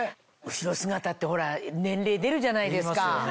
後ろ姿ってほら年齢出るじゃないですか。